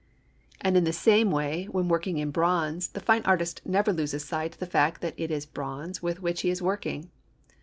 And in the same way, when working in bronze, the fine artist never loses sight of the fact that it is bronze with which he is working.